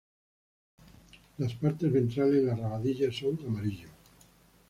Las partes ventrales y la rabadilla son amarillos.